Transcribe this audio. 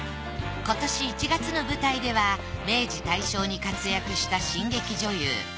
今年１月の舞台では明治大正に活躍した新劇女優